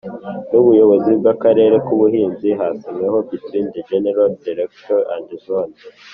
n Ubuyobozi bw Akarere k Ubuhinzi hasinywa between the General Directorate and Zone